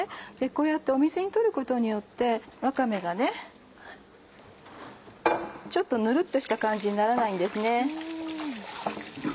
こうやって水にとることによってわかめがちょっとぬるっとした感じにならないんですね。